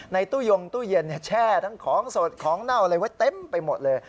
ตู้ยงตู้เย็นแช่ทั้งของสดของเน่าอะไรไว้เต็มไปหมดเลย